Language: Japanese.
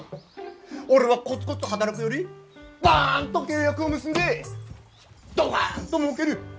俺はコツコツ働くよりバンと契約を結んでドカンともうける。